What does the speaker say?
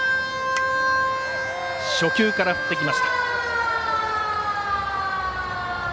初球から振ってきました。